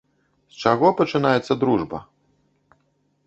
З чаго пачынаецца дружба?